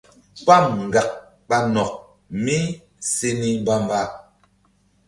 Pam ŋgak ɓa nok mí se ni mbamba.